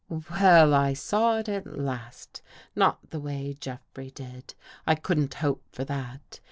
Well, I saw it at last. Not the way Jeffrey did. I couldn't hope for that.